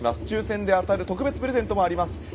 抽選で当たる特別プレゼントもあります。